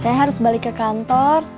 saya harus balik ke kantor